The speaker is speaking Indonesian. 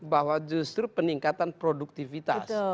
bahwa justru peningkatan produktivitas